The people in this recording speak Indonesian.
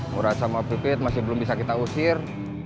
murah sama pipit masih belum bisa kita usir